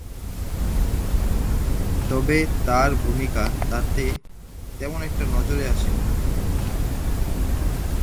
তবে তাঁর ভূমিকা তাতে তেমন একটা নজরে আসে নি।